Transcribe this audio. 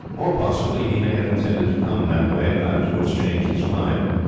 Or, possibly, he may have intended to have come that way, but afterwards changed his mind.